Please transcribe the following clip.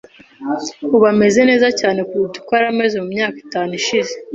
Ubu ameze neza cyane. kuruta uko yari ameze mu myaka itanu ishize .